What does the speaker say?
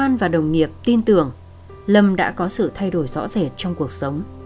nghiệp tin tưởng lâm đã có sự thay đổi rõ rệt trong cuộc sống